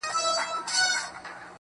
• که هر څو خلګ ږغېږي چي بدرنګ یم_